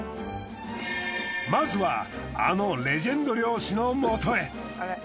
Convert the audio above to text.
まずはあのレジェンド漁師のもとへ。